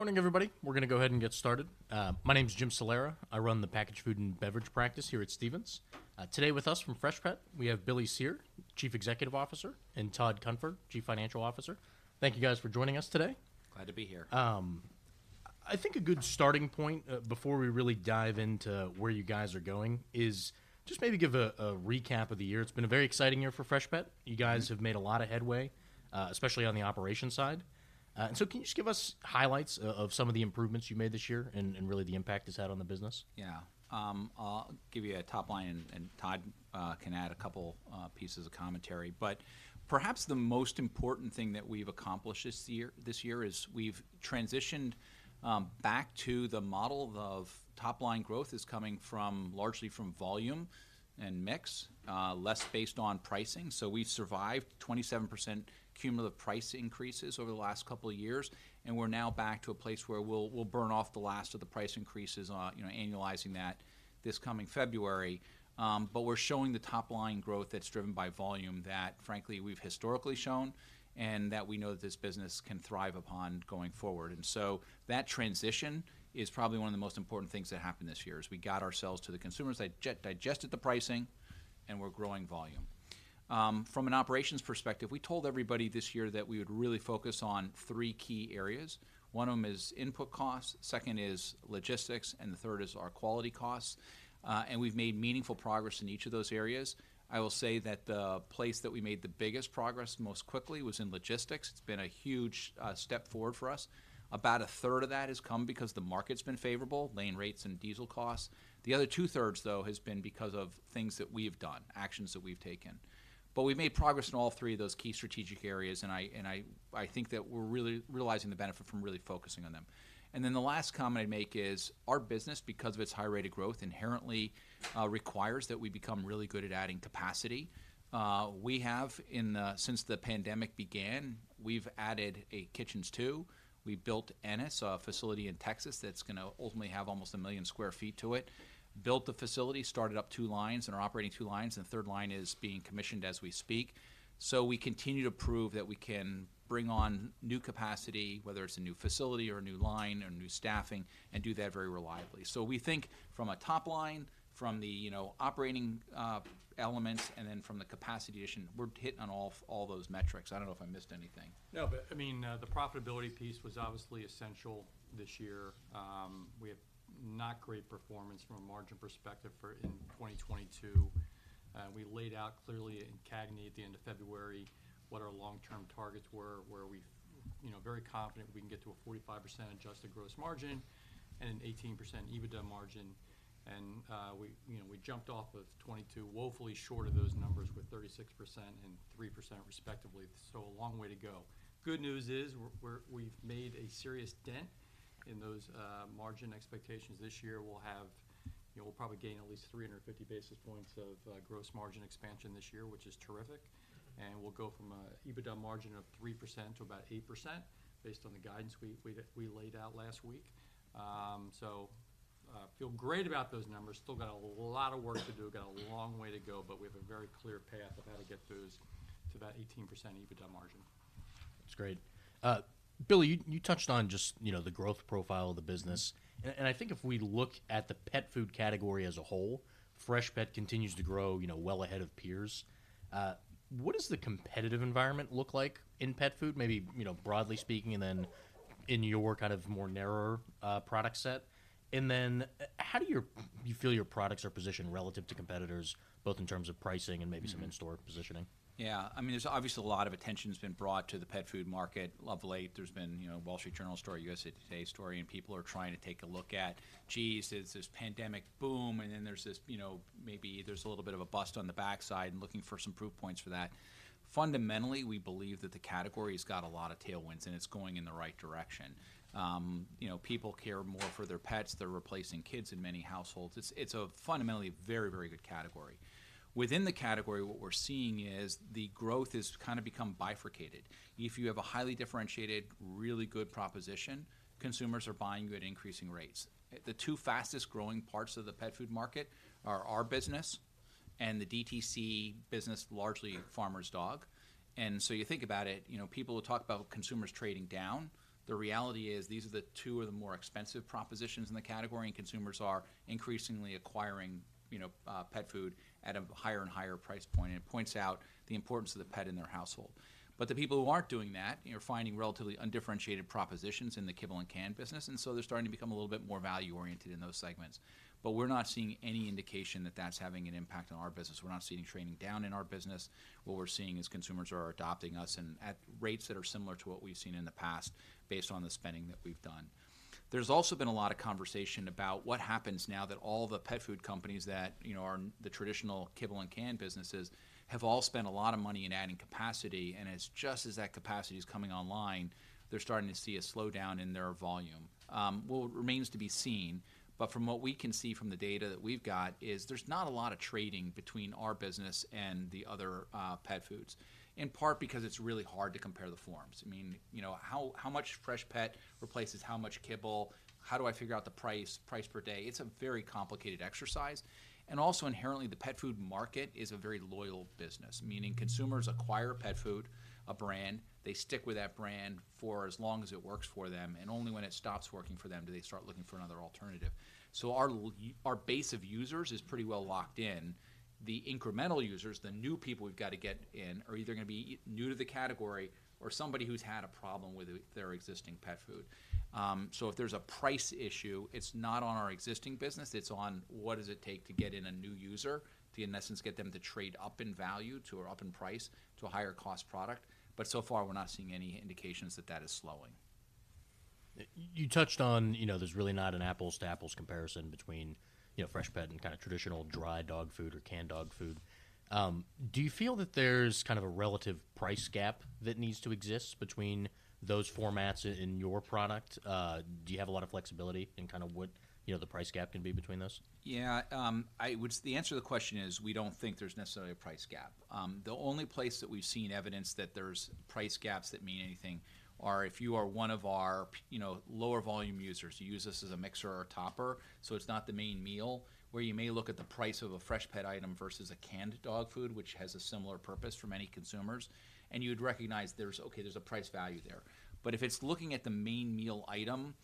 Morning, everybody. We're gonna go ahead and get started. My name's Jim Salera. I run the packaged food and beverage practice here at Stephens. Today with us from Freshpet, we have Billy Cyr, Chief Executive Officer, and Todd Cunfer, Chief Financial Officer. Thank you, guys, for joining us today. Glad to be here. I think a good starting point, before we really dive into where you guys are going, is just maybe give a recap of the year. It's been a very exciting year for Freshpet. Mm-hmm. You guys have made a lot of headway, especially on the operations side. And so can you just give us highlights of some of the improvements you made this year and really the impact it's had on the business? Yeah. I'll give you a top line, and, and Todd can add a couple pieces of commentary. But perhaps the most important thing that we've accomplished this year, this year, is we've transitioned back to the model of top-line growth is coming from, largely from volume and mix, less based on pricing. So we've survived 27% cumulative price increases over the last couple of years, and we're now back to a place where we'll, we'll burn off the last of the price increases on, you know, annualizing that, this coming February. But we're showing the top-line growth that's driven by volume that, frankly, we've historically shown and that we know that this business can thrive upon going forward. That transition is probably one of the most important things that happened this year, is we got ourselves to the consumers, they digested the pricing, and we're growing volume. From an operations perspective, we told everybody this year that we would really focus on three key areas. One of them is input costs, second is logistics, and the third is our quality costs, and we've made meaningful progress in each of those areas. I will say that the place that we made the biggest progress most quickly was in logistics. It's been a huge step forward for us. About a third of that has come because the market's been favorable, lane rates and diesel costs. The other two-thirds, though, has been because of things that we've done, actions that we've taken. But we've made progress in all three of those key strategic areas, and I think that we're really realizing the benefit from really focusing on them. And then the last comment I'd make is, our business, because of its high rate of growth, inherently requires that we become really good at adding capacity. Since the pandemic began, we've added Kitchens 2, we built Ennis, a facility in Texas that's gonna ultimately have almost 1 million sq ft to it. Built the facility, started up 2 lines, and are operating 2 lines, and the third line is being commissioned as we speak. So we continue to prove that we can bring on new capacity, whether it's a new facility or a new line or new staffing, and do that very reliably. So we think from a top line, from the, you know, operating, elements, and then from the capacity addition, we're hitting on all those metrics. I don't know if I missed anything. No, but, I mean, the profitability piece was obviously essential this year. We have not great performance from a margin perspective for in 2022. We laid out clearly in CAGNY at the end of February, what our long-term targets were, where we've, you know, very confident we can get to a 45% adjusted gross margin and an 18% EBITDA margin. And, we, you know, we jumped off of 2022, woefully short of those numbers, with 36% and 3% respectively, so a long way to go. Good news is, we've made a serious dent in those margin expectations. This year, we'll have... You know, we'll probably gain at least 350 basis points of gross margin expansion this year, which is terrific. We'll go from a EBITDA margin of 3% to about 8%, based on the guidance we laid out last week. So, feel great about those numbers. Still got a lot of work to do, got a long way to go, but we have a very clear path of how to get to those, to that 18% EBITDA margin. That's great. Billy, you touched on just, you know, the growth profile of the business. Mm. I think if we look at the pet food category as a whole, Freshpet continues to grow, you know, well ahead of peers. What does the competitive environment look like in pet food? Maybe, you know, broadly speaking, and then in your kind of more narrower product set. And then, how do you feel your products are positioned relative to competitors, both in terms of pricing and maybe. Mm Some in-store positioning? Yeah. I mean, there's obviously a lot of attention has been brought to the pet food market of late. There's been, you know, Wall Street Journal story, USA TODAY story, and people are trying to take a look at, "Geez, there's this pandemic boom, and then there's this, you know, maybe there's a little bit of a bust on the backside," and looking for some proof points for that. Fundamentally, we believe that the category has got a lot of tailwinds, and it's going in the right direction. You know, people care more for their pets. They're replacing kids in many households. It's a fundamentally very, very good category. Within the category, what we're seeing is the growth has kind of become bifurcated. If you have a highly differentiated, really good proposition, consumers are buying good increasing rates. The two fastest growing parts of the pet food market are our business and the DTC business, largely Farmer's Dog. And so you think about it, you know, people will talk about consumers trading down. The reality is, these are the two of the more expensive propositions in the category, and consumers are increasingly acquiring, you know, pet food at a higher and higher price point, and it points out the importance of the pet in their household. But the people who aren't doing that, you're finding relatively undifferentiated propositions in the kibble and canned business, and so they're starting to become a little bit more value-oriented in those segments. But we're not seeing any indication that that's having an impact on our business. We're not seeing trading down in our business. What we're seeing is consumers are adopting us and at rates that are similar to what we've seen in the past, based on the spending that we've done. There's also been a lot of conversation about what happens now that all the pet food companies that, you know, are in the traditional kibble and canned businesses, have all spent a lot of money in adding capacity, and it's just as that capacity is coming online, they're starting to see a slowdown in their volume. Well, it remains to be seen, but from what we can see from the data that we've got, is there's not a lot of trading between our business and the other pet foods, in part because it's really hard to compare the forms. I mean, you know, how much Freshpet replaces how much kibble? How do I figure out the price, price per day? It's a very complicated exercise. And also inherently, the pet food market is a very loyal business, meaning consumers acquire pet food a brand, they stick with that brand for as long as it works for them, and only when it stops working for them, do they start looking for another alternative. So our base of users is pretty well locked in. The incremental users, the new people we've got to get in, are either going to be new to the category or somebody who's had a problem with their existing pet food. So, if there's a price issue, it's not on our existing business, it's on what does it take to get in a new user, to, in essence, get them to trade up in value to or up in price to a higher-cost product. But so far, we're not seeing any indications that that is slowing. You touched on, you know, there's really not an apples to apples comparison between, you know, Freshpet and kind of traditional dry dog food or canned dog food. Do you feel that there's kind of a relative price gap that needs to exist between those formats in your product? Do you have a lot of flexibility in kind of what, you know, the price gap can be between those? Yeah, what's the answer to the question is, we don't think there's necessarily a price gap. The only place that we've seen evidence that there's price gaps that mean anything are if you are one of our you know, lower volume users, you use this as a mixer or a topper, so it's not the main meal, where you may look at the price of a Freshpet item versus a canned dog food, which has a similar purpose for many consumers, and you'd recognize there's, okay, there's a price value there. But if it's looking at the main meal item,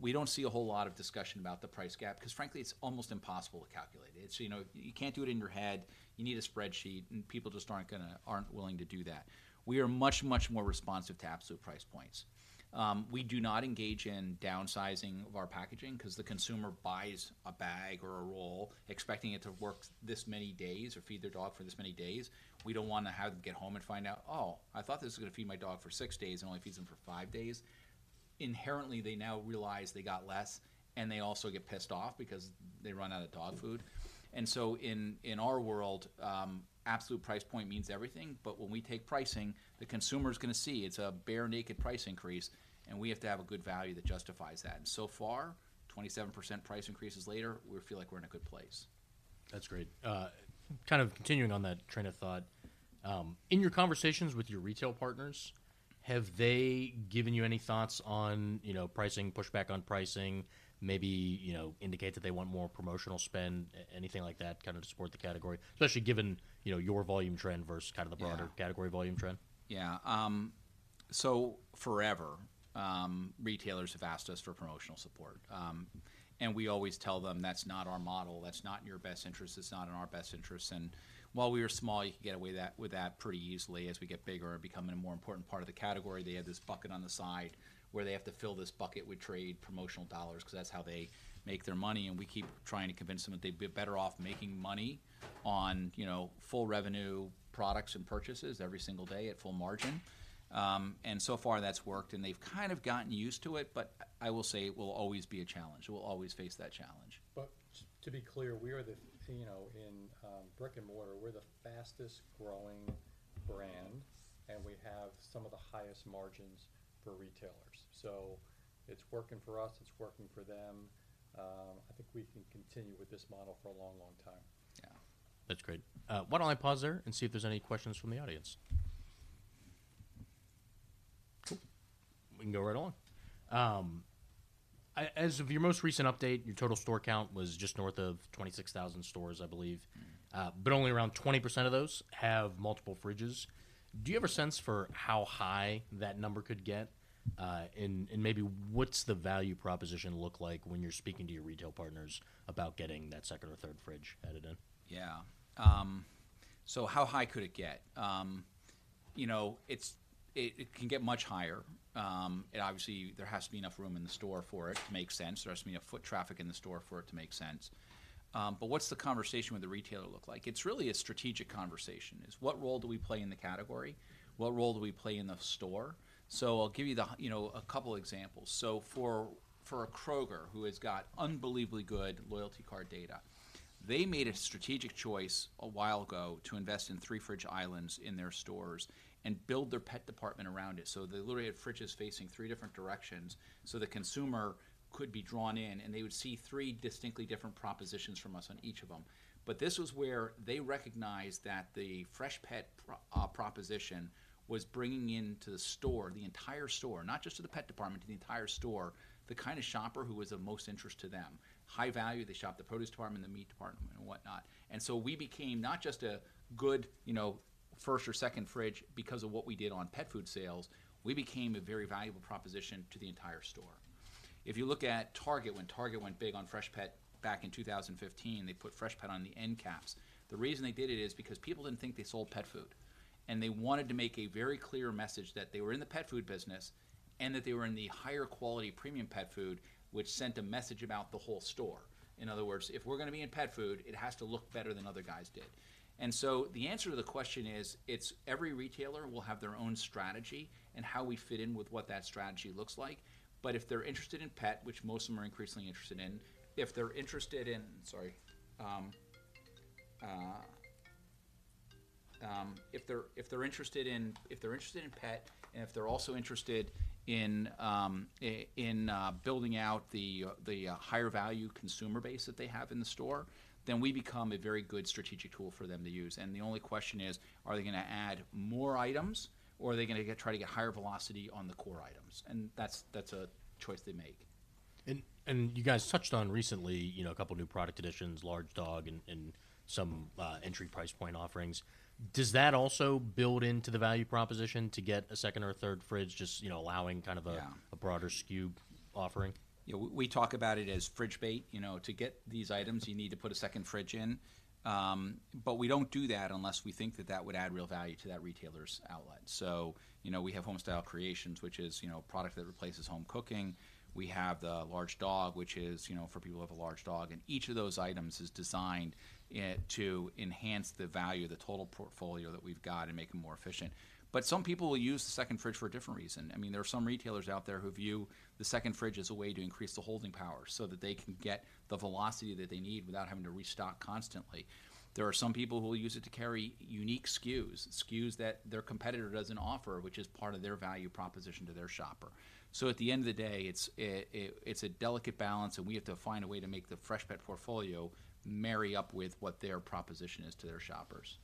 we don't see a whole lot of discussion about the price gap, 'cause frankly, it's almost impossible to calculate it. So, you know, you can't do it in your head. You need a spreadsheet, and people just aren't willing to do that. We are much, much more responsive to absolute price points. We do not engage in downsizing of our packaging 'cause the consumer buys a bag or a roll expecting it to work this many days or feed their dog for this many days. We don't want to have them get home and find out, "Oh, I thought this was going to feed my dog for six days, it only feeds them for five days." Inherently, they now realize they got less, and they also get pissed off because they run out of dog food. And so in our world, absolute price point means everything, but when we take pricing, the consumer's going to see it's a bare naked price increase, and we have to have a good value that justifies that. So far, 27% price increases later, we feel like we're in a good place. That's great. Kind of continuing on that train of thought, in your conversations with your retail partners, have they given you any thoughts on, you know, pricing, pushback on pricing, maybe, you know, indicate that they want more promotional spend, anything like that, kind of to support the category, especially given, you know, your volume trend versus kind of the- Yeah Broader category volume trend? Yeah. So forever, retailers have asked us for promotional support. And we always tell them: "That's not our model. That's not in your best interest, it's not in our best interest." And while we are small, you can get away with that pretty easily. As we get bigger and become a more important part of the category, they have this bucket on the side, where they have to fill this bucket with trade, promotional dollars, 'cause that's how they make their money, and we keep trying to convince them that they'd be better off making money on, you know, full revenue products and purchases every single day at full margin. And so far, that's worked, and they've kind of gotten used to it, but I will say it will always be a challenge. We'll always face that challenge. But to be clear, we are, you know, in brick-and-mortar, we're the fastest growing brand, and we have some of the highest margins for retailers. So it's working for us, it's working for them. I think we can continue with this model for a long, long time. Yeah. That's great. Why don't I pause there and see if there's any questions from the audience? Cool. We can go right on. As of your most recent update, your total store count was just north of 26,000 stores, I believe. Mm-hmm. But only around 20% of those have multiple fridges. Do you have a sense for how high that number could get, and maybe what's the value proposition look like when you're speaking to your retail partners about getting that second or third fridge added in? Yeah. So how high could it get? You know, it can get much higher. And obviously, there has to be enough room in the store for it to make sense. There has to be enough foot traffic in the store for it to make sense. But what's the conversation with the retailer look like? It's really a strategic conversation. Is what role do we play in the category? What role do we play in the store? So I'll give you the, you know, a couple examples. So for a Kroger, who has got unbelievably good loyalty card data, they made a strategic choice a while ago to invest in three fridge islands in their stores and build their pet department around it. So they literally had fridges facing three different directions, so the consumer could be drawn in, and they would see three distinctly different propositions from us on each of them. But this was where they recognized that the Freshpet proposition was bringing into the store, the entire store, not just to the pet department, to the entire store, the kind of shopper who was of most interest to them. High value, they shop the produce department, the meat department, and whatnot. And so we became not just a good, you know, first or second fridge because of what we did on pet food sales, we became a very valuable proposition to the entire store. If you look at Target, when Target went big on Freshpet back in 2015, they put Freshpet on the end caps. The reason they did it is because people didn't think they sold pet food, and they wanted to make a very clear message that they were in the pet food business, and that they were in the higher quality premium pet food, which sent a message about the whole store. In other words, "If we're going to be in pet food, it has to look better than other guys did." So the answer to the question is, it's every retailer will have their own strategy and how we fit in with what that strategy looks like. But if they're interested in pet, which most of them are increasingly interested in, if they're interested in... Sorry. If they're interested in pet, and if they're also interested in building out the higher value consumer base that they have in the store, then we become a very good strategic tool for them to use. And the only question is: Are they going to add more items, or are they going to try to get higher velocity on the core items? And that's a choice they make. And you guys touched on recently, you know, a couple new product additions, Large Dog, and some entry price point offerings. Does that also build into the value proposition to get a second or third fridge, just, you know, allowing kind. Yeah A broader SKU offering? Yeah, we talk about it as fridge bait. You know, to get these items, you need to put a second fridge in. But we don't do that unless we think that that would add real value to that retailer's outlet. So, you know, we have Homestyle Creations, which is, you know, a product that replaces home cooking. We have the Large Dog, which is, you know, for people who have a large dog, and each of those items is designed to enhance the value of the total portfolio that we've got and make them more efficient. But some people will use the second fridge for a different reason. I mean, there are some retailers out there who view the second fridge as a way to increase the holding power, so that they can get the velocity that they need without having to restock constantly. There are some people who will use it to carry unique SKUs, SKUs that their competitor doesn't offer, which is part of their value proposition to their shopper. So at the end of the day, it's a delicate balance, and we have to find a way to make the Freshpet portfolio marry up with what their proposition is to their shoppers.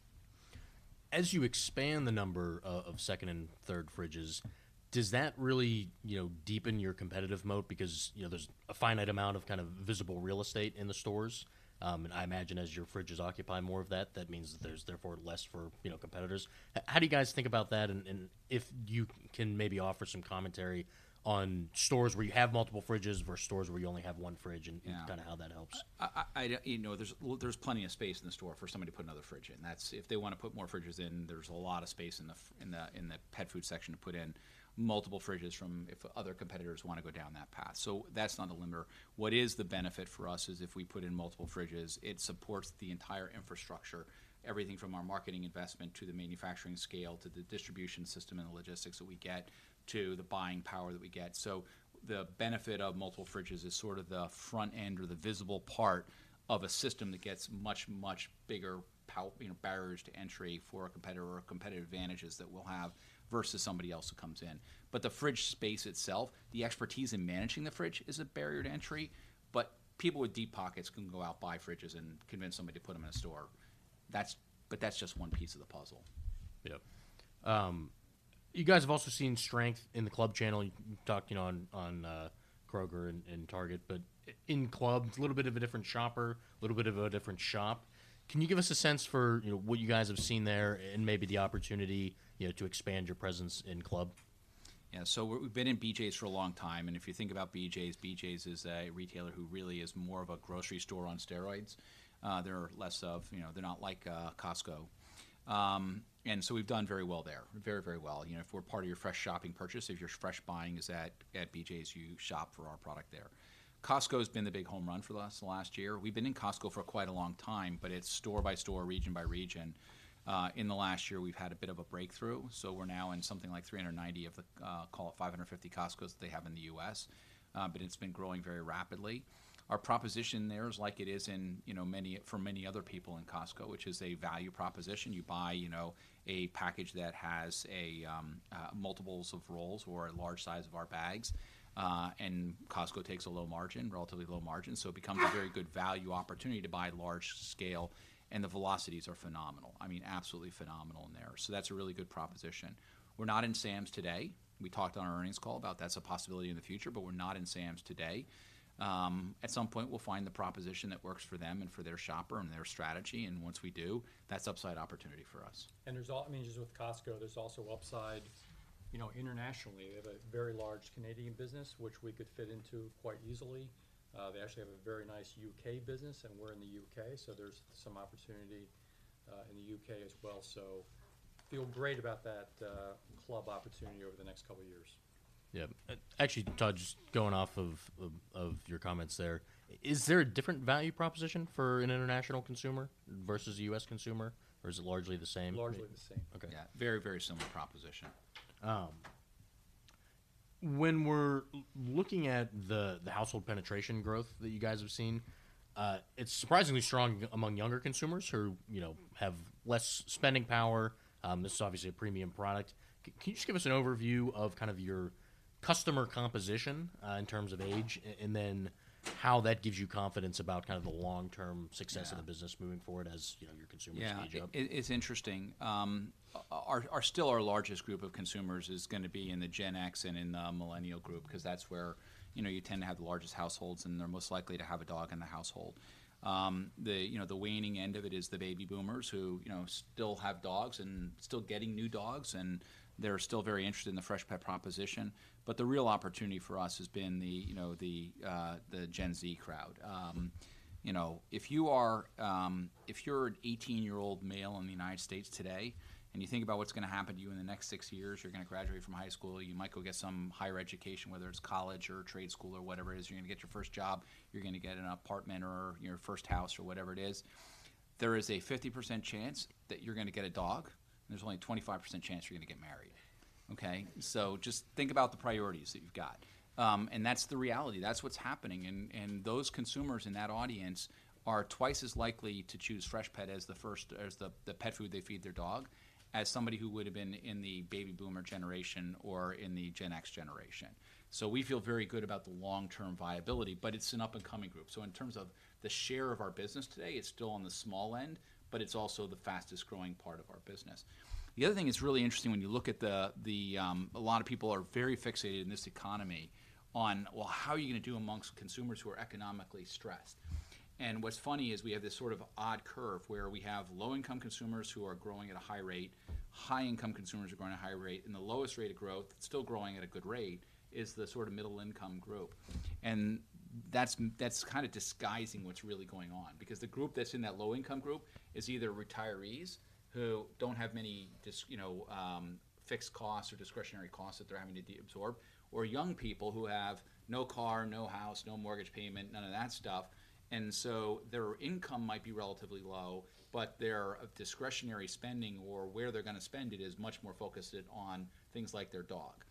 As you expand the number of second and third fridges, does that really, you know, deepen your competitive moat? Because, you know, there's a finite amount of kind of visible real estate in the stores, and I imagine as your fridges occupy more of that, that means that there's therefore less for, you know, competitors. How do you guys think about that, and if you can maybe offer some commentary on stores where you have multiple fridges versus stores where you only have one fridge. Yeah And kind of how that helps. You know, there's, well, there's plenty of space in the store for somebody to put another fridge in. That's if they want to put more fridges in, there's a lot of space in the pet food section to put in multiple fridges if other competitors want to go down that path. So that's not a limiter. What is the benefit for us is if we put in multiple fridges, it supports the entire infrastructure, everything from our marketing investment, to the manufacturing scale, to the distribution system and the logistics that we get, to the buying power that we get. So the benefit of multiple fridges is sort of the front end or the visible part of a system that gets much, much bigger, you know, barriers to entry for a competitor or competitive advantages that we'll have versus somebody else who comes in. But the fridge space itself, the expertise in managing the fridge is a barrier to entry, but people with deep pockets can go out, buy fridges, and convince somebody to put them in a store. That's but that's just one piece of the puzzle. Yep. You guys have also seen strength in the club channel. You talked, you know, on Kroger and Target, but in clubs, a little bit of a different shopper, a little bit of a different shop. Can you give us a sense for, you know, what you guys have seen there and maybe the opportunity, you know, to expand your presence in club? Yeah. So we've been in BJ's for a long time, and if you think about BJ's, BJ's is a retailer who really is more of a grocery store on steroids. They're less of, you know, they're not like a Costco. And so we've done very well there. Very, very well. You know, if we're part of your fresh shopping purchase, if your fresh buying is at, at BJ's, you shop for our product there. Costco has been the big home run for the last, last year. We've been in Costco for quite a long time, but it's store by store, region by region. In the last year, we've had a bit of a breakthrough, so we're now in something like 390 of the, call it 550 Costcos they have in the U.S., but it's been growing very rapidly. Our proposition there is like it is in, you know, many for many other people in Costco, which is a value proposition. You buy, you know, a package that has multiples of rolls or a large size of our bags, and Costco takes a low margin, relatively low margin, so it becomes a very good value opportunity to buy large scale, and the velocities are phenomenal. I mean, absolutely phenomenal in there. So that's a really good proposition. We're not in Sam's today. We talked on our earnings call about that's a possibility in the future, but we're not in Sam's today. At some point, we'll find the proposition that works for them and for their shopper and their strategy, and once we do, that's upside opportunity for us. And there's, I mean, just with Costco, there's also upside, you know, internationally. They have a very large Canadian business, which we could fit into quite easily. They actually have a very nice U.K. business, and we're in the U.K., so there's some opportunity in the U.K. as well. So feel great about that, club opportunity over the next couple of years. Yeah. Actually, Todd, just going off of your comments there, is there a different value proposition for an international consumer versus a U.S. consumer, or is it largely the same? Largely the same. Okay. Yeah. Very, very similar proposition. When we're looking at the household penetration growth that you guys have seen, it's surprisingly strong among younger consumers who, you know, have less spending power. This is obviously a premium product. Can you just give us an overview of kind of your customer composition in terms of age, and then how that gives you confidence about kind of the long-term? Yeah Success of the business moving forward, as, you know, your consumers age up? Yeah, it's interesting. Our largest group of consumers is going to be in the Gen X and in the millennial group, 'cause that's where, you know, you tend to have the largest households, and they're most likely to have a dog in the household. You know, the waning end of it is the baby boomers, who, you know, still have dogs and still getting new dogs, and they're still very interested in the Freshpet proposition. But the real opportunity for us has been the, you know, the Gen Z crowd. You know, if you are, if you're an 18-year-old male in the United States today, and you think about what's gonna happen to you in the next six years, you're gonna graduate from high school, you might go get some higher education, whether it's college or trade school or whatever it is. You're gonna get your first job, you're gonna get an apartment or your first house or whatever it is. There is a 50% chance that you're gonna get a dog, and there's only a 25% chance you're gonna get married, okay? So just think about the priorities that you've got. And that's the reality. That's what's happening, and those consumers in that audience are twice as likely to choose Freshpet as the first pet food they feed their dog, as somebody who would've been in the Baby Boomer generation or in the Gen X generation. So we feel very good about the long-term viability, but it's an up-and-coming group. So in terms of the share of our business today, it's still on the small end, but it's also the fastest-growing part of our business. The other thing that's really interesting when you look at a lot of people are very fixated in this economy on, well, how are you gonna do amongst consumers who are economically stressed? And what's funny is we have this sort of odd curve, where we have-... Low-income consumers who are growing at a high rate, high-income consumers are growing at a high rate, and the lowest rate of growth, still growing at a good rate, is the sort of middle-income group. And that's, that's kind of disguising what's really going on, because the group that's in that low-income group is either retirees who don't have many you know, fixed costs or discretionary costs that they're having to deabsorb, or young people who have no car, no house, no mortgage payment, none of that stuff. And so their income might be relatively low, but their discretionary spending or where they're going to spend it, is much more focused in on things like their dog.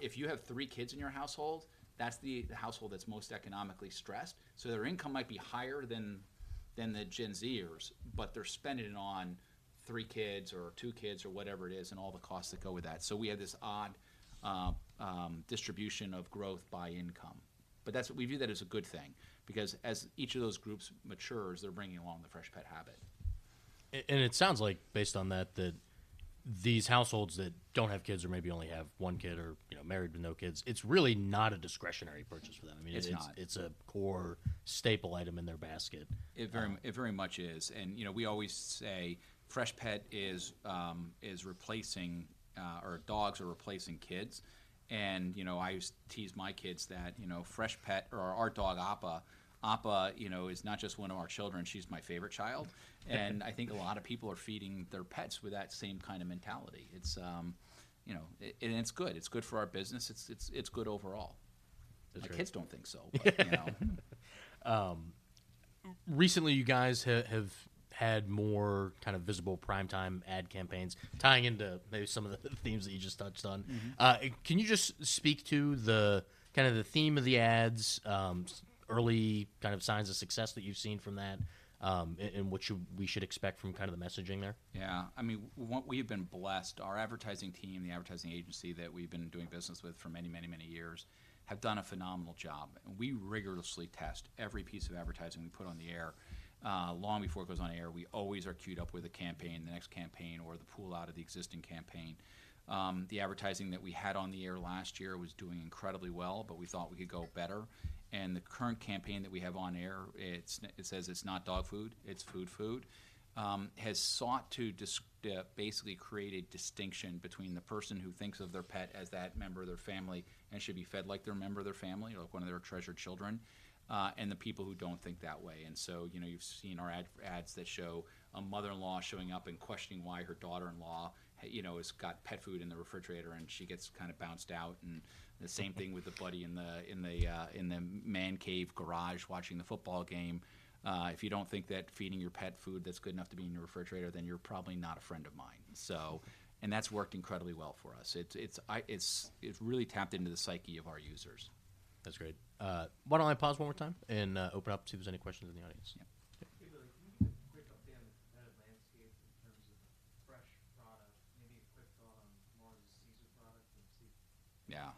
If you have three kids in your household, that's the, the household that's most economically stressed. So their income might be higher than the Gen Zers, but they're spending it on three kids or two kids or whatever it is, and all the costs that go with that. So we have this odd distribution of growth by income. But that's- we view that as a good thing, because as each of those groups matures, they're bringing along the Freshpet habit. And it sounds like, based on that, that these households that don't have kids or maybe only have one kid or, you know, married with no kids, it's really not a discretionary purchase for them. It's not. I mean, it's a core staple item in their basket. It very much is. And, you know, we always say Freshpet is replacing, or dogs are replacing kids. And, you know, I used to tease my kids that, you know, Freshpet or our dog, Appa. Appa, you know, is not just one of our children, she's my favorite child. And I think a lot of people are feeding their pets with that same kind of mentality. It's, you know... and it's good. It's good for our business. It's good overall. That's great. The kids don't think so, but, you know. Recently, you guys have had more kind of visible prime time ad campaigns tying into maybe some of the themes that you just touched on. Mm-hmm. Can you just speak to the, kind of the theme of the ads, early kind of signs of success that you've seen from that, and what we should expect from kind of the messaging there? Yeah. I mean, we've been blessed. Our advertising team, the advertising agency that we've been doing business with for many, many, many years, have done a phenomenal job. We rigorously test every piece of advertising we put on the air. Long before it goes on air, we always are queued up with a campaign, the next campaign or the pull out of the existing campaign. The advertising that we had on the air last year was doing incredibly well, but we thought we could go better. And the current campaign that we have on air, it's, it says, "It's not dog food, it's food food," has sought to basically create a distinction between the person who thinks of their pet as that member of their family, and should be fed like they're a member of their family, like one of their treasured children, and the people who don't think that way. And so, you know, you've seen our ads that show a mother-in-law showing up and questioning why her daughter-in-law, you know, has got pet food in the refrigerator, and she gets kind of bounced out. And the same thing with the buddy in the man cave garage watching the football game. If you don't think that feeding your pet food that's good enough to be in your refrigerator, then you're probably not a friend of mine." And that's worked incredibly well for us. It's really tapped into the psyche of our users. That's great. Why don't I pause one more time and open up, see if there's any questions in the audience? Yeah. Hey, Billy, can you give a quick update on the competitive landscape in terms of fresh product? Maybe a quick thought on more of the CESAR product and see- Yeah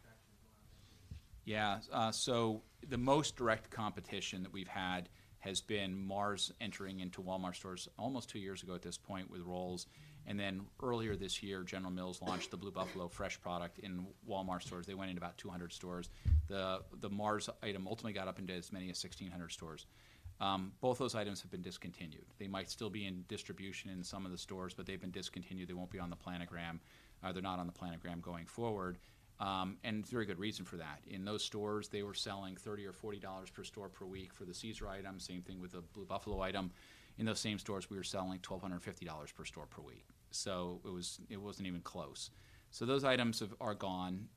Fraction going on? Yeah. So the most direct competition that we've had has been Mars entering into Walmart stores almost two years ago at this point, with rolls. And then earlier this year, General Mills launched the Blue Buffalo fresh product in Walmart stores. They went into about 200 stores. The Mars item ultimately got up into as many as 1,600 stores. Both those items have been discontinued. They might still be in distribution in some of the stores, but they've been discontinued. They won't be on the planogram. They're not on the planogram going forward, and there's a very good reason for that. In those stores, they were selling $30-$40 per store per week for the CESAR item. Same thing with the Blue Buffalo item. In those same stores, we were selling $1,250 per store per week, so it was- it wasn't even close. So those items have, are gone.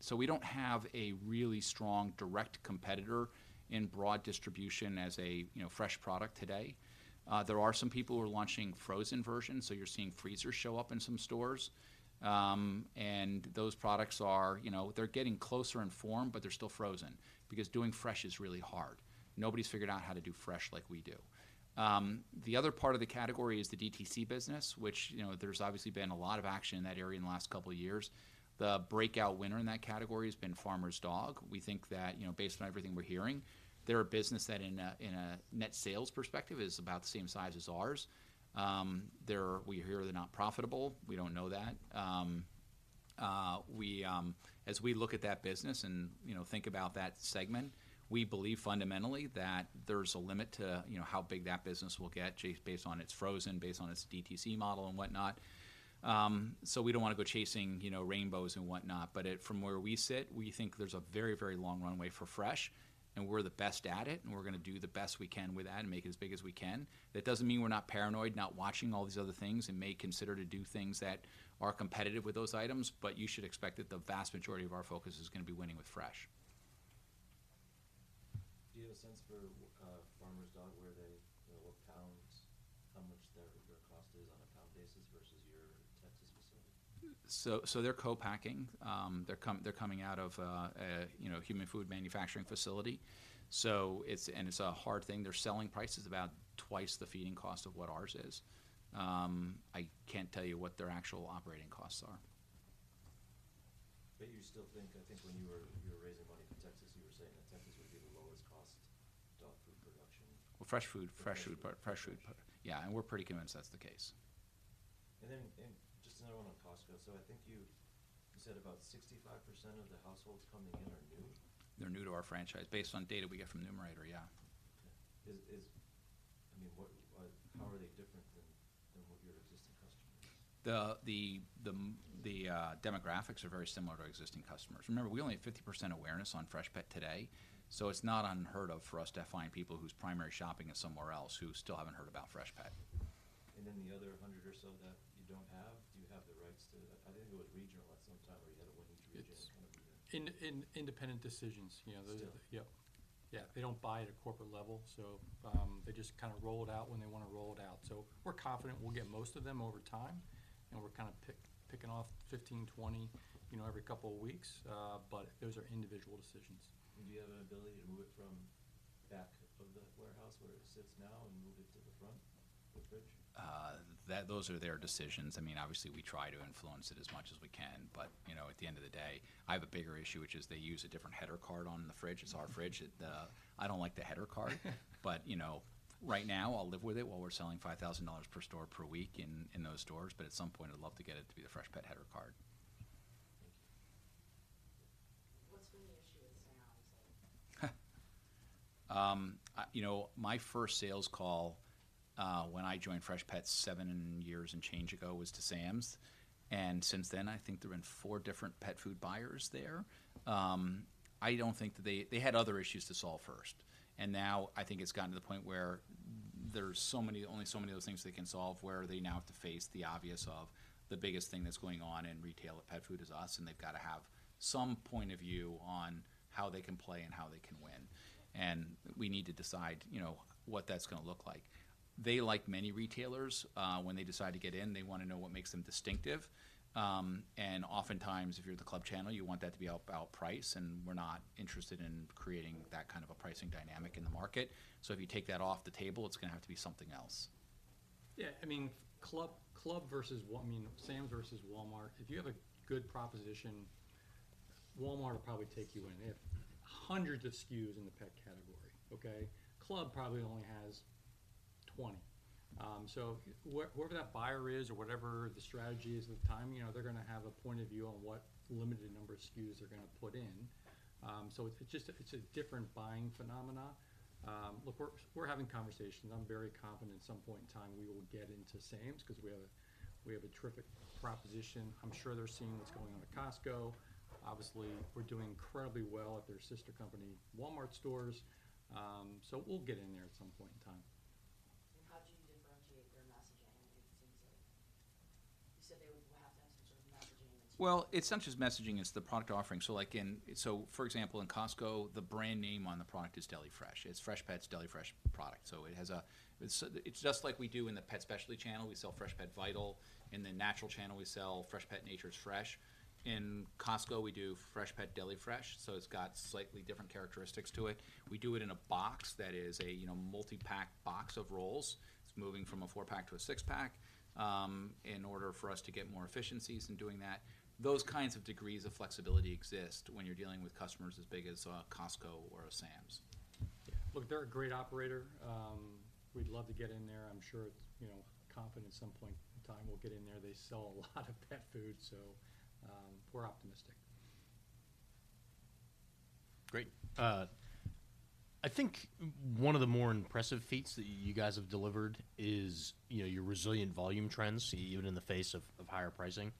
So we don't have a really strong direct competitor in broad distribution as a, you know, fresh product today. There are some people who are launching frozen versions, so you're seeing freezers show up in some stores. And those products are, you know, they're getting closer in form, but they're still frozen, because doing fresh is really hard. Nobody's figured out how to do fresh like we do. The other part of the category is the DTC business, which, you know, there's obviously been a lot of action in that area in the last couple of years. The breakout winner in that category has been Farmer's Dog. We think that, you know, based on everything we're hearing, they're a business that in a net sales perspective, is about the same size as ours. They're. We hear they're not profitable. We don't know that. As we look at that business and, you know, think about that segment, we believe fundamentally that there's a limit to, you know, how big that business will get, based on its frozen, based on its DTC model and whatnot. So we don't want to go chasing, you know, rainbows and whatnot, but from where we sit, we think there's a very, very long runway for fresh, and we're the best at it, and we're going to do the best we can with that and make it as big as we can. That doesn't mean we're not paranoid, not watching all these other things, and may consider to do things that are competitive with those items, but you should expect that the vast majority of our focus is going to be winning with fresh. Do you have a sense for Farmer's Dog, where they, what pounds, how much their cost is on a pound basis versus your Texas facility? So they're co-packing. They're coming out of, you know, a human food manufacturing facility. So it's a hard thing. They're selling prices about twice the feeding cost of what ours is. I can't tell you what their actual operating costs are. But you still think... I think when you were raising money from Texas, you were saying that Texas would be the lowest cost dog food production. Well, fresh food. Fresh food. Yeah, and we're pretty convinced that's the case. And then, and just another one on Costco. So I think you said about 65% of the households coming in are new? They're new to our franchise, based on data we get from Numerator, yeah. Okay. I mean, what, how are they different than what your existing customers? The demographics are very similar to existing customers. Remember, we only have 50% awareness on Freshpet today, so it's not unheard of for us to find people whose primary shopping is somewhere else, who still haven't heard about Freshpet. And then the other hundred or so that you don't have, do you have the rights to? I think it was regional at some time, where you had it one each region, kind of region. In independent decisions, you know, the- Still? Yep. Yeah, they don't buy at a corporate level, so they just kind of roll it out when they want to roll it out. So we're confident we'll get most of them over time, and we're kind of picking off 15, 20, you know, every couple of weeks, but those are individual decisions. Do you have an ability to move it from back of the warehouse where it sits now, and move it to the front of the fridge? Those are their decisions. I mean, obviously, we try to influence it as much as we can, but, you know, at the end of the day, I have a bigger issue, which is they use a different header card on the fridge. It's our fridge, it... I don't like the header card. But, you know, right now, I'll live with it while we're selling $5,000 per store per week in, in those stores, but at some point, I'd love to get it to be the Freshpet header card. Thank you. What's been the issue with Sam's? You know, my first sales call, when I joined Freshpet seven years and change ago, was to Sam's. And since then, I think there have been four different pet food buyers there. I don't think that they had other issues to solve first, and now I think it's gotten to the point where there's only so many of those things they can solve, where they now have to face the obvious of the biggest thing that's going on in retail of pet food is us, and they've got to have some point of view on how they can play and how they can win. And we need to decide, you know, what that's gonna look like. They, like many retailers, when they decide to get in, they wanna know what makes them distinctive. And oftentimes, if you're the club channel, you want that to be about price, and we're not interested in creating that kind of a pricing dynamic in the market. So if you take that off the table, it's gonna have to be something else. Yeah, I mean, Sam's versus Walmart, if you have a good proposition, Walmart will probably take you in. They have hundreds of SKUs in the pet category, okay? Club probably only has 20. So whatever that buyer is or whatever the strategy is at the time, you know, they're gonna have a point of view on what limited number of SKUs they're gonna put in. So it's just, it's a different buying phenomenon. Look, we're having conversations. I'm very confident at some point in time we will get into Sam's, 'cause we have a terrific proposition. I'm sure they're seeing what's going on at Costco. Obviously, we're doing incredibly well at their sister company, Walmart stores. So we'll get in there at some point in time. How do you differentiate their messaging in terms of... You said they would have to have some sort of messaging that's- Well, it's not just messaging, it's the product offering. So, for example, in Costco, the brand name on the product is Deli Fresh. It's Freshpet's Deli Fresh product, so it has a... It's, it's just like we do in the pet specialty channel, we sell Freshpet Vital. In the natural channel, we sell Freshpet Nature's Fresh. In Costco, we do Freshpet Deli Fresh, so it's got slightly different characteristics to it. We do it in a box that is a, you know, multi-pack box of rolls. It's moving from a 4-pack to a 6-pack in order for us to get more efficiencies in doing that. Those kinds of degrees of flexibility exist when you're dealing with customers as big as Costco or a Sam's. Look, they're a great operator. We'd love to get in there. I'm sure, you know, confident at some point in time we'll get in there. They sell a lot of pet food, so, we're optimistic. Great. I think one of the more impressive feats that you guys have delivered is, you know, your resilient volume trends, even in the face of higher pricing.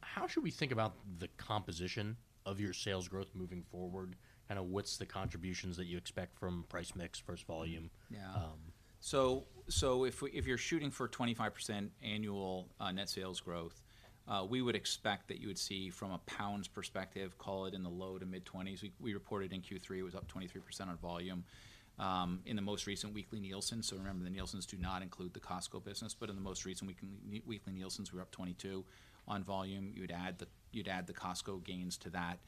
How should we think about the composition of your sales growth moving forward? Kind of what's the contributions that you expect from price mix versus volume? Yeah. Um. If you're shooting for a 25% annual net sales growth, we would expect that you would see from a pounds perspective, call it in the low to mid-20s. We reported in Q3, it was up 23% on volume. In the most recent weekly Nielsen, so remember, the Nielsens do not include the Costco business, but in the most recent weekly Nielsens, we're up 22 on volume. You'd add the Costco gains to that.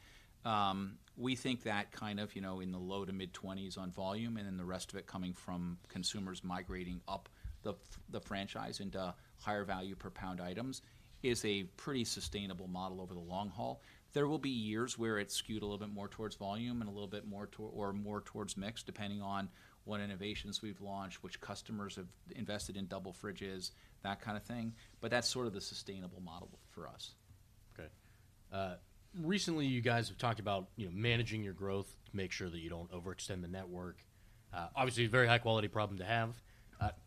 We think that kind of, you know, in the low to mid-20s on volume, and then the rest of it coming from consumers migrating up the franchise into higher value per pound items, is a pretty sustainable model over the long haul. There will be years where it's skewed a little bit more towards volume and a little bit more or more towards mix, depending on what innovations we've launched, which customers have invested in double fridges, that kind of thing, but that's sort of the sustainable model for us. Okay. Recently, you guys have talked about, you know, managing your growth to make sure that you don't overextend the network. Obviously, a very high-quality problem to have.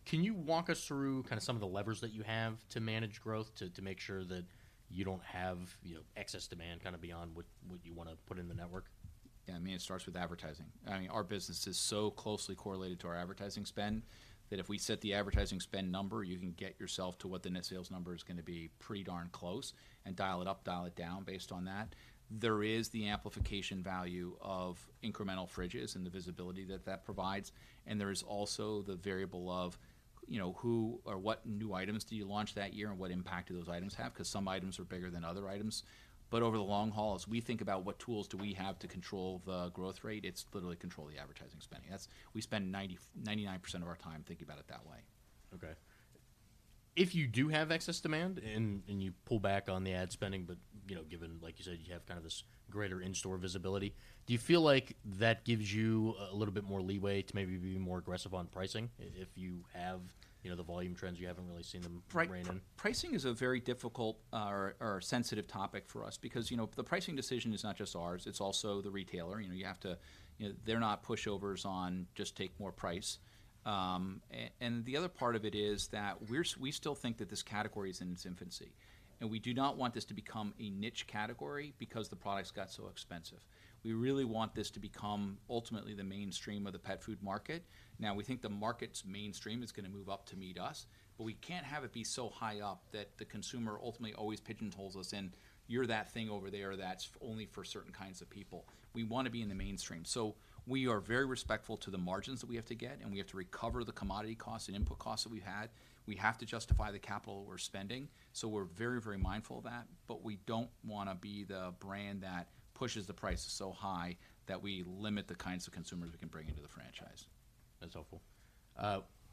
Can you walk us through kind of some of the levers that you have to manage growth, to make sure that you don't have, you know, excess demand, kind of beyond what you wanna put in the network? Yeah, I mean, it starts with advertising. I mean, our business is so closely correlated to our advertising spend, that if we set the advertising spend number, you can get yourself to what the net sales number is gonna be, pretty darn close, and dial it up, dial it down, based on that. There is the amplification value of incremental fridges and the visibility that that provides, and there is also the variable of, you know, who or what new items do you launch that year, and what impact do those items have? 'Cause some items are bigger than other items. But over the long haul, as we think about what tools do we have to control the growth rate, it's literally control the advertising spending. That's. We spend 99% of our time thinking about it that way. Okay. If you do have excess demand and, and you pull back on the ad spending, but, you know, given, like you said, you have kind of this greater in-store visibility, do you feel like that gives you a little bit more leeway to maybe be more aggressive on pricing if you have, you know, the volume trends, you haven't really seen them rein in? Pricing is a very difficult or sensitive topic for us because, you know, the pricing decision is not just ours, it's also the retailer. You know, you have to, you know, they're not pushovers on just take more price. And the other part of it is that we still think that this category is in its infancy, and we do not want this to become a niche category because the products got so expensive. We really want this to become, ultimately, the mainstream of the pet food market. Now, we think the market's mainstream is going to move up to meet us, but we can't have it be so high up that the consumer ultimately always pigeonholes us in, "You're that thing over there that's only for certain kinds of people." We want to be in the mainstream. We are very respectful to the margins that we have to get, and we have to recover the commodity costs and input costs that we had. We have to justify the capital we're spending, so we're very, very mindful of that, but we don't want to be the brand that pushes the price so high that we limit the kinds of consumers we can bring into the franchise. That's helpful.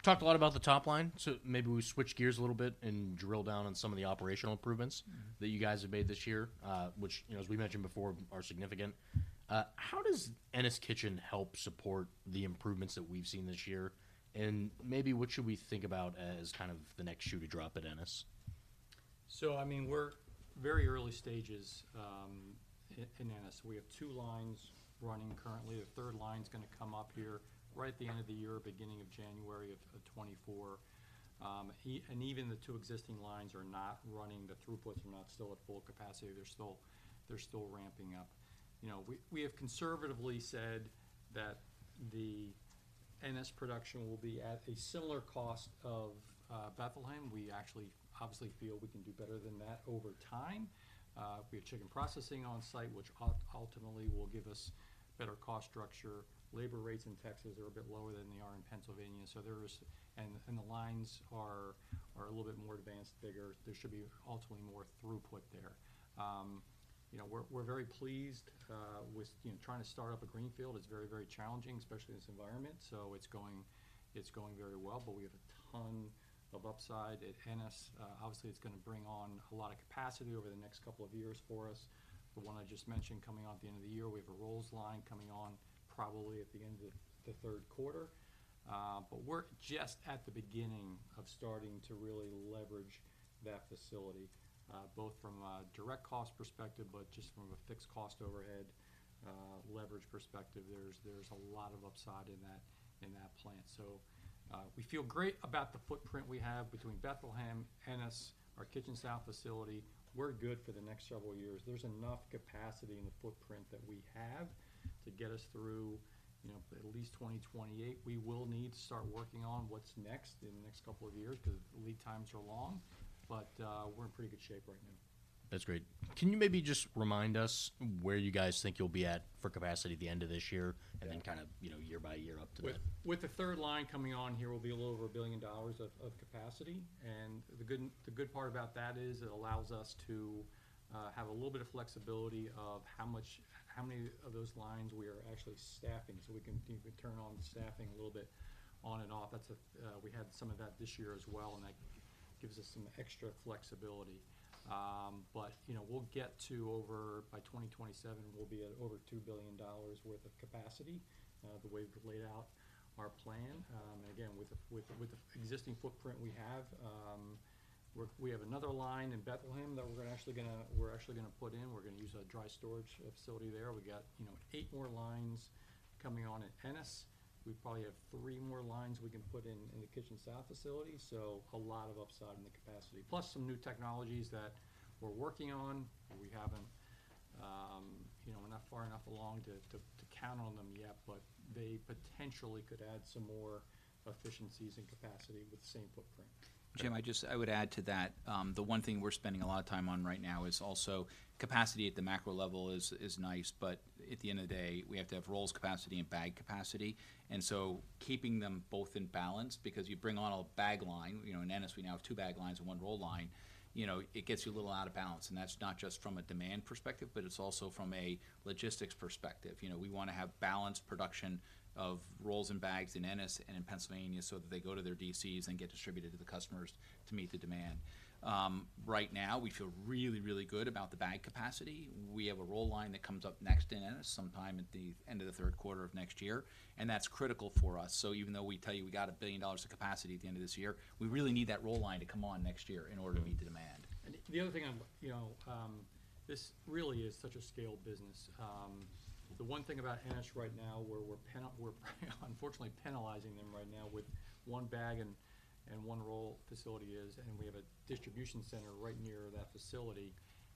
Talked a lot about the top line, so maybe we switch gears a little bit and drill down on some of the operational improvements- Mm-hmm. That you guys have made this year, which, you know, as we mentioned before, are significant. How does Ennis Kitchen help support the improvements that we've seen this year? And maybe what should we think about as kind of the next shoe to drop at Ennis? So I mean, we're very early stages in Ennis. We have two lines running currently. The third line's gonna come up here right at the end of the year, beginning of January of 2024. And even the two existing lines are not running, the throughputs are not still at full capacity. They're still, they're still ramping up. You know, we have conservatively said that the Ennis production will be at a similar cost of Bethlehem. We actually obviously feel we can do better than that over time. We have chicken processing on site, which ultimately will give us better cost structure. Labor rates in Texas are a bit lower than they are in Pennsylvania, so there is. And the lines are a little bit more advanced, bigger. There should be ultimately more throughput there. You know, we're very pleased with, you know, trying to start up a greenfield. It's very, very challenging, especially in this environment, so it's going, it's going very well. But we have a ton of upside at Ennis. Obviously, it's gonna bring on a lot of capacity over the next couple of years for us. The one I just mentioned, coming on at the end of the year, we have a rolls line coming on probably at the end of the third quarter. But we're just at the beginning of starting to really leverage that facility, both from a direct cost perspective, but just from a fixed cost overhead leverage perspective. There's, there's a lot of upside in that, in that plant. So, we feel great about the footprint we have between Bethlehem, Ennis, our Kitchen South facility. We're good for the next several years. There's enough capacity in the footprint that we have to get us through, you know, at least 2028. We will need to start working on what's next in the next couple of years, because lead times are long, but we're in pretty good shape right now. That's great. Can you maybe just remind us where you guys think you'll be at for capacity at the end of this year? Yeah. And then kind of, you know, year by year up to that? With the third line coming on here, we'll be a little over $1 billion of capacity, and the good part about that is it allows us to have a little bit of flexibility of how much, how many of those lines we are actually staffing, so we can turn on the staffing a little bit on and off. That's, we had some of that this year as well, and that gives us some extra flexibility. But, you know, we'll get to over $2 billion. By 2027, we'll be at over $2 billion worth of capacity, the way we've laid out our plan. Again, with the existing footprint we have, we have another line in Bethlehem that we're actually gonna put in. We're gonna use a dry storage facility there. We got, you know, 8 more lines coming on at Ennis. We probably have 3 more lines we can put in, in the Kitchens South facility. So a lot of upside in the capacity. Plus, some new technologies that we're working on, and we haven't, you know, we're not far enough along to count on them yet, but they potentially could add some more efficiencies and capacity with the same footprint. Jim, I just, I would add to that, the one thing we're spending a lot of time on right now is also capacity at the macro level is nice, but at the end of the day, we have to have rolls capacity and bag capacity, and so keeping them both in balance, because you bring on a bag line, you know, in Ennis, we now have 2 bag lines and 1 roll line, you know, it gets you a little out of balance, and that's not just from a demand perspective, but it's also from a logistics perspective. You know, we wanna have balanced production of rolls and bags in Ennis and in Pennsylvania, so that they go to their DCs and get distributed to the customers to meet the demand. Right now, we feel really, really good about the bag capacity. We have a roll line that comes up next in Ennis, sometime at the end of the third quarter of next year, and that's critical for us. So even though we tell you we got $1 billion of capacity at the end of this year, we really need that roll line to come on next year in order to meet the demand. And the other thing I'm, you know, this really is such a scale business. The one thing about Ennis right now, where we're unfortunately penalizing them right now with 1 bag and 1 roll facility is, and we have a distribution center right near that facility,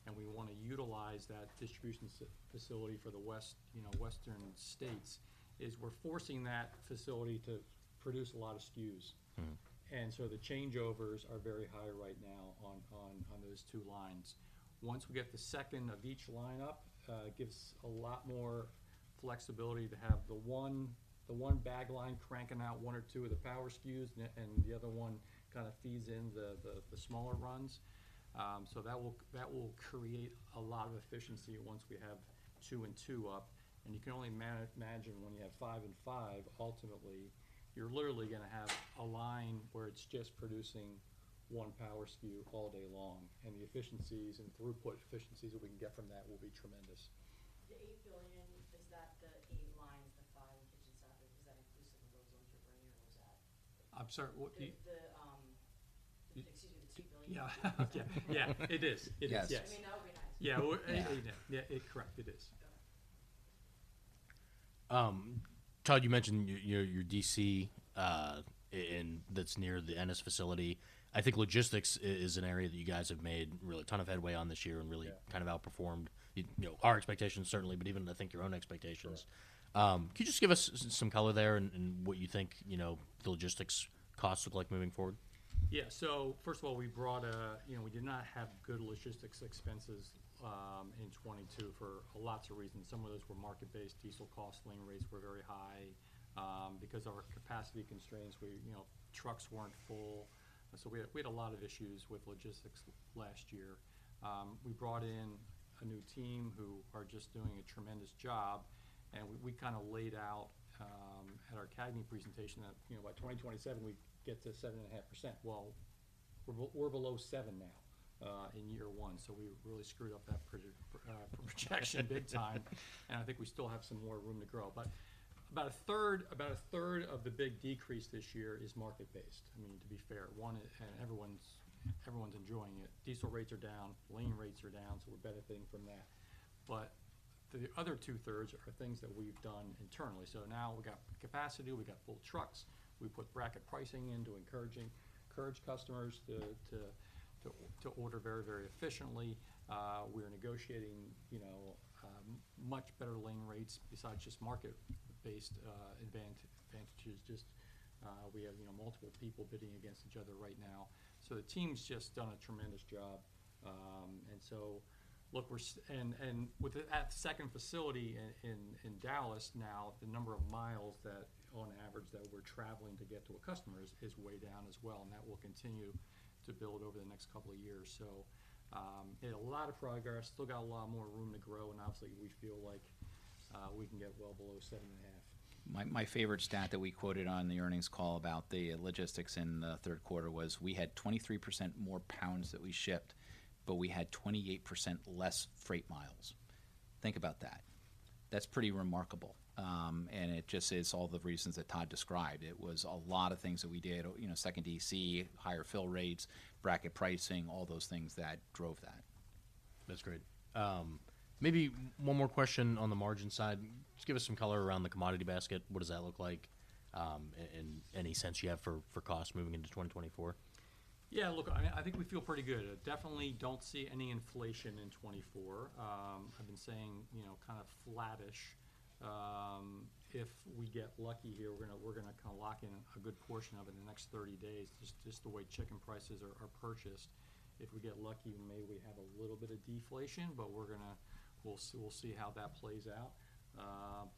and we want to utilize that distribution facility for the West, you know, western states, is we're forcing that facility to produce a lot of SKUs. Mm. The changeovers are very high right now on those two lines. Once we get the second of each line up, it gives a lot more flexibility to have the one bag line cranking out one or two of the power SKUs, and the other one kind of feeds in the smaller runs. So that will create a lot of efficiency once we have two and two up, and you can only imagine when you have five and five, ultimately, you're literally gonna have a line where it's just producing one power SKU all day long, and the efficiencies and throughput efficiencies that we can get from that will be tremendous. The 8 billion, is that the eight lines, the five Kitchens two, is that inclusive of those ones you're bringing, or what's that? I'm sorry, what do you- The, excuse me, the $2 billion. Yeah. Yeah, it is. It is. Yes. I mean, that would be nice. Yeah, well, yeah. Yeah, it's correct, it is. Got it. Todd, you mentioned your, your DC, and that's near the Ennis facility. I think logistics is an area that you guys have made really a ton of headway on this year and really- Yeah Kind of outperformed, you know, our expectations certainly, but even I think your own expectations. Correct. Could you just give us some color there and what you think, you know, the logistics costs look like moving forward? Yeah. So first of all, you know, we did not have good logistics expenses in 2022 for lots of reasons. Some of those were market-based. Diesel costs, lane rates were very high. Because of our capacity constraints, we, you know, trucks weren't full. So we had, we had a lot of issues with logistics last year. We brought in a new team who are just doing a tremendous job, and we, we kinda laid out at our CAGNY presentation that, you know, by 2027, we'd get to 7.5%. Well, we're, we're below 7% now in year one, so we really screwed up that projection big time. And I think we still have some more room to grow. But about a third, about a third of the big decrease this year is market-based. I mean, to be fair, one, and everyone's, everyone's enjoying it. Diesel rates are down, lane rates are down, so we're benefiting from that. But the other two-thirds are things that we've done internally. So now we've got capacity, we've got full trucks, we've put bracket pricing in to encourage customers to order very, very efficiently. We're negotiating, you know, much better lane rates besides just market-based advantages. Just, we have, you know, multiple people bidding against each other right now. So the team's just done a tremendous job. And so look, we're and, and with the second facility in Dallas now, the number of miles that on average that we're traveling to get to a customer is way down as well, and that will continue to build over the next couple of years. So, made a lot of progress, still got a lot more room to grow, and obviously, we feel like we can get well below 7.5. My, my favorite stat that we quoted on the earnings call about the logistics in the third quarter was: we had 23% more pounds that we shipped, but we had 28% less freight miles. Think about that. That's pretty remarkable, and it just is all the reasons that Todd described. It was a lot of things that we did, you know, second DC, higher fill rates, bracket pricing, all those things that drove that. That's great. Maybe one more question on the margin side. Just give us some color around the commodity basket. What does that look like, and any sense you have for cost moving into 2024? Yeah, look, I think we feel pretty good. I definitely don't see any inflation in 2024. I've been saying, you know, kind of flattish. If we get lucky here, we're gonna lock in a good portion of it in the next 30 days, just the way chicken prices are purchased. If we get lucky, we may have a little bit of deflation, but we're gonna... We'll see, we'll see how that plays out,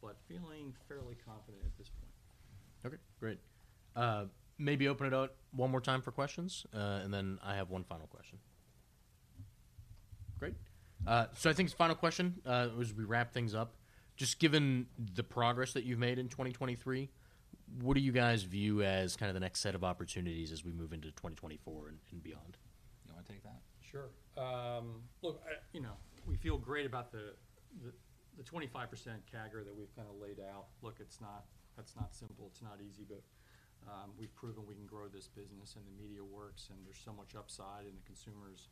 but feeling fairly confident at this point. Okay, great. Maybe open it up one more time for questions, and then I have one final question. Great. So I think as final question, as we wrap things up, just given the progress that you've made in 2023, what do you guys view as kind of the next set of opportunities as we move into 2024 and, and beyond? You want to take that? Sure. Look, I, you know, we feel great about the 25% CAGR that we've kind of laid out. Look, it's not, that's not simple, it's not easy, but we've proven we can grow this business, and the media works, and there's so much upside, and the consumers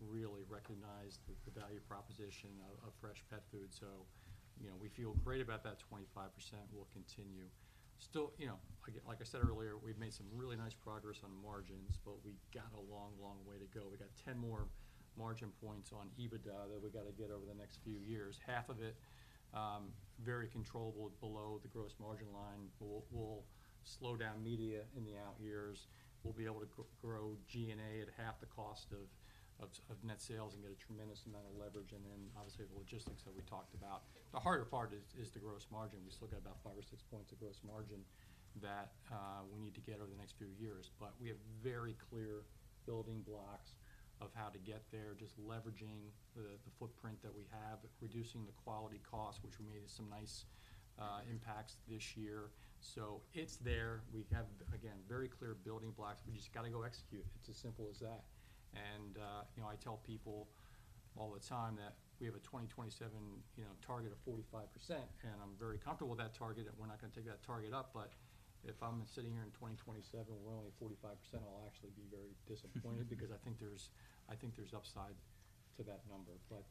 really recognize the value proposition of fresh pet food. So, you know, we feel great about that 25% will continue. Still, you know, like, like I said earlier, we've made some really nice progress on margins, but we got a long, long way to go. We got 10 more margin points on EBITDA that we got to get over the next few years. Half of it, very controllable below the gross margin line. We'll slow down media in the out years. We'll be able to grow G&A at half the cost of net sales and get a tremendous amount of leverage, and then obviously, the logistics that we talked about. The harder part is the gross margin. We still got about five or six points of gross margin that we need to get over the next few years. But we have very clear building blocks of how to get there, just leveraging the footprint that we have, reducing the quality costs, which we made some nice impacts this year. So it's there. We have, again, very clear building blocks. We just got to go execute. It's as simple as that. You know, I tell people all the time that we have a 2027 target of 45%, and I'm very comfortable with that target, and we're not going to take that target up. But if I'm sitting here in 2027, we're only at 45%, I'll actually be very disappointed because I think there's, I think there's upside to that number. But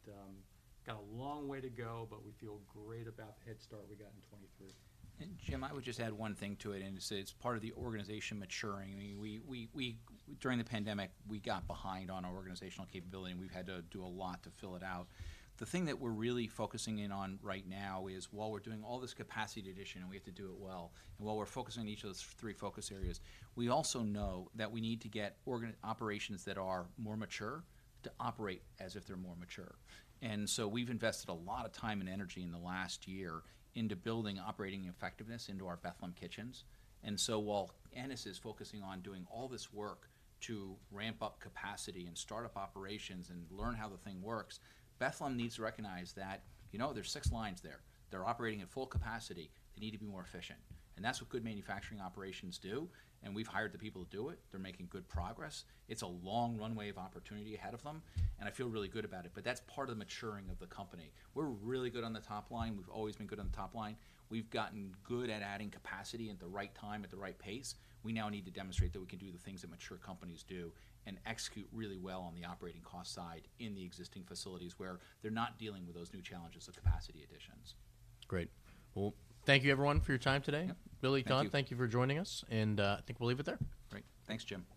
got a long way to go, but we feel great about the head start we got in 2023. And Jim, I would just add one thing to it, and it's part of the organization maturing. I mean, we during the pandemic, we got behind on our organizational capability, and we've had to do a lot to fill it out. The thing that we're really focusing in on right now is, while we're doing all this capacity addition, and we have to do it well, and while we're focusing on each of those three focus areas, we also know that we need to get operations that are more mature to operate as if they're more mature. And so we've invested a lot of time and energy in the last year into building operating effectiveness into our Bethlehem Kitchens. And so while Ennis is focusing on doing all this work to ramp up capacity and start up operations and learn how the thing works, Bethlehem needs to recognize that, you know, there's six lines there. They're operating at full capacity. They need to be more efficient, and that's what good manufacturing operations do, and we've hired the people to do it. They're making good progress. It's a long runway of opportunity ahead of them, and I feel really good about it, but that's part of the maturing of the company. We're really good on the top line. We've always been good on the top line. We've gotten good at adding capacity at the right time, at the right pace. We now need to demonstrate that we can do the things that mature companies do and execute really well on the operating cost side in the existing facilities, where they're not dealing with those new challenges of capacity additions. Great. Well, thank you, everyone, for your time today. Yep. Billy, Todd. Thank you. Thank you for joining us, and, I think we'll leave it there. Great. Thanks, Jim.